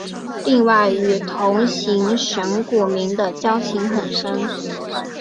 另外与同行神谷明的交情很深。